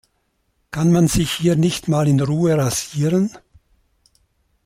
Kann man sich hier nicht mal in Ruhe rasieren?